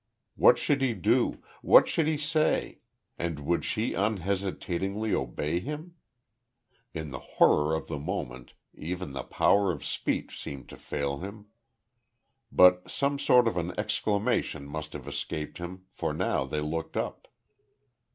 What should he do, what should he say and would she unhesitatingly obey him? In the horror of the moment even the power of speech seemed to fail him. But some sort of an exclamation must have escaped him, for now they looked up.